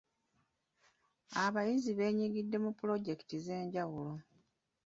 Abayizi beenyigidde mu pulojekiti ez'enjawulo.